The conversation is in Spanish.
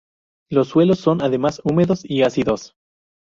Los suelos son además, húmedos y ácidos.